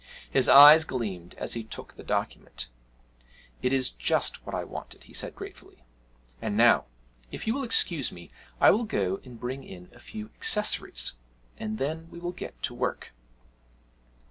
His eyes gleamed as he took the document. 'It is just what I wanted,' he said gratefully; 'and now, if you will excuse me, I will go and bring in a few accessories, and then we will get to work.'